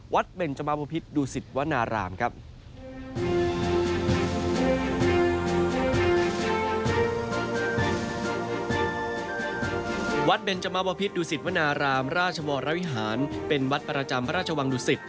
วัดเบนเจอร์มาเบอร์พิษดูสิตวนารามราชวรวิหารเป็นวัดประจำพระราชวังดูสิต